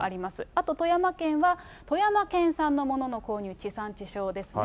あと富山県は、富山県産のものの購入、地産地消ですね。